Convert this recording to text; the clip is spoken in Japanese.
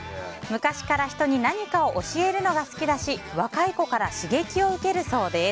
昔から人に何かを教えるのが好きだし若い子から刺激を受けるそうです。